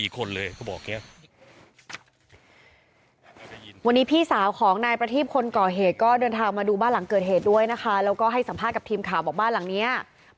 คนเลยพูดบอกเนี่ย